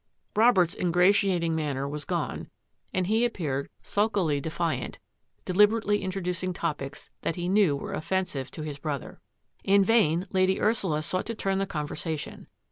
Robert's ingratiating manner was gone and he appeared sulkily defiant, deliberately introducing topics that he knew were offensive to his brother. In vain Lady Ursula sought to turn the conver sation.